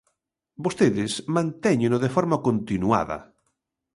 Vostedes mantéñeno de forma continuada.